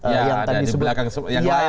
yang ada di belakang yang lain